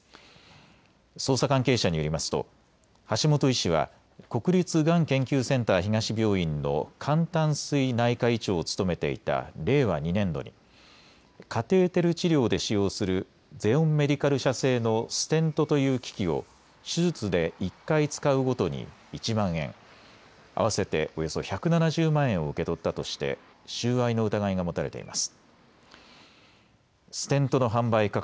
捜査関係者によりますと橋本医師は国立がん研究センター東病院の肝胆膵内科医長を務めていた令和２年度にカテーテル治療で使用するゼオンメディカル社製のステントという機器を手術で１回使うごとに１万円、およそ１７０万円を受け取ったとして収賄の疑いが持たれています。